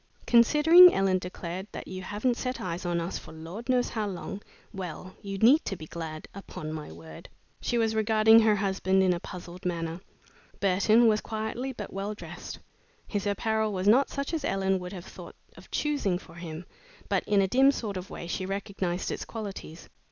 "Considering," Ellen declared, "that you haven't set eyes on us for Lord knows how long well, you need to be glad. Upon my word!" She was regarding her husband in a puzzled manner. Burton was quietly but well dressed. His apparel was not such as Ellen would have thought of choosing for him, but in a dim sort of way she recognized its qualities.